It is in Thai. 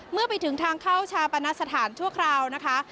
เมื่อไปถึงทางเข้าชาปนสถานชั่วคราวนะคะ